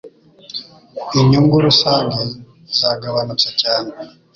Inyungu rusange zagabanutse cyane.